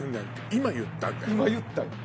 今言ったよ。